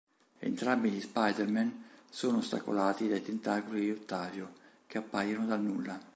Entrambi gli Spider-Men sono ostacolati dai tentacoli di Ottavio, che appaiono dal nulla.